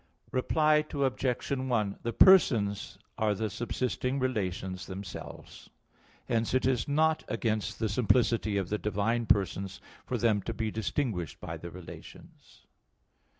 Reply Obj. 1: The persons are the subsisting relations themselves. Hence it is not against the simplicity of the divine persons for them to be distinguished by the relations.